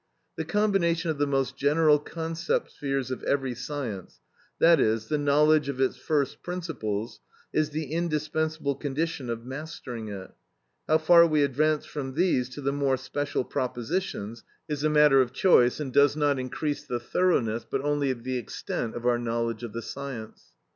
The combination of the most general concept spheres of every science, that is, the knowledge of its first principles, is the indispensable condition of mastering it; how far we advance from these to the more special propositions is a matter of choice, and does not increase the thoroughness but only the extent of our knowledge of the science.